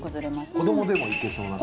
子どもでもいけそうな感じ？